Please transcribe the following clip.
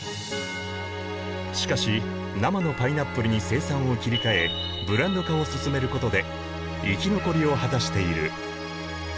しかし生のパイナップルに生産を切り替えブランド化を進めることで生き残りを果たしている。